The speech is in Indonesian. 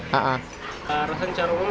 rasanya secara umum